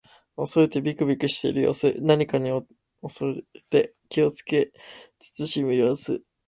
恐れてびくびくしている様子。何かに恐れて気をつけ慎む様子。